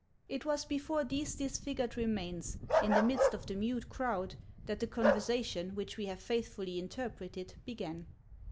It was before these disfigured remains, in the midst of the mute crowd, that the conversation which we have faithfully interpreted, began.